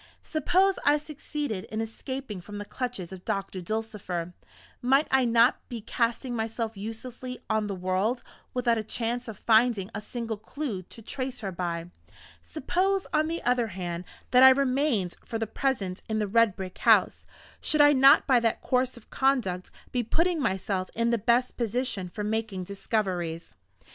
Suppose I succeeded in escaping from the clutches of Doctor Dulcifer might I not be casting myself uselessly on the world, without a chance of finding a single clew to trace her by? Suppose, on the other hand, that I remained for the present in the red brick house should I not by that course of conduct be putting myself in the best position for making discoveries?